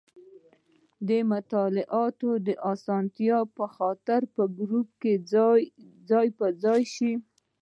د مطالعاتو د اسانتیا په خاطر په ګروپ کې ځای په ځای شوي.